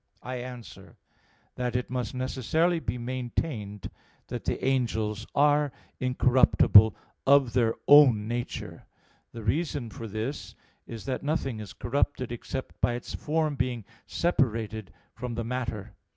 I answer that, It must necessarily be maintained that the angels are incorruptible of their own nature. The reason for this is, that nothing is corrupted except by its form being separated from the matter.